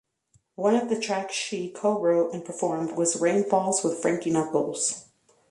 One of the tracks she co-wrote and performed was "Rainfalls" with Frankie Knuckles.